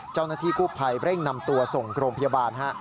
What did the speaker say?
เจ้าหน้าที่กู้ภัยเร่งนำตัวส่งโรงพยาบาลฮะ